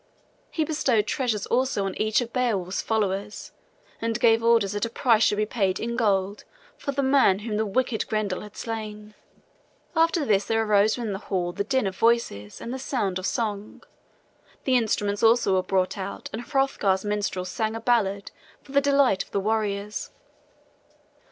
He bestowed treasures also on each of Beowulf's followers and gave orders that a price should be paid in gold for the man whom the wicked Grendel had slain. After this there arose within the hall the din of voices and the sound of song; the instruments also were brought out and Hrothgar's minstrel sang a ballad for the delight of the warriors.